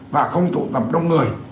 và không tụ tập đông người